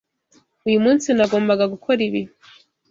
Uyu munsi nagombaga gukora ibi.